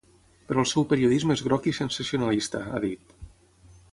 Però el seu periodisme és groc i sensacionalista, ha dit.